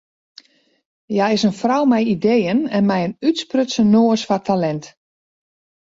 Hja is in frou mei ideeën en mei in útsprutsen noas foar talint.